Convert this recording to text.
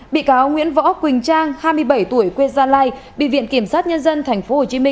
bị cáo nguyễn võ quỳnh trang hai mươi bảy tuổi quê gia lai bị viện kiểm sát nhân dân tp hcm